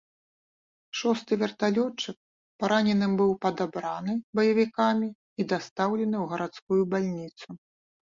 Шосты верталётчык параненым быў падабраны баевікамі і дастаўлены ў гарадскую бальніцу.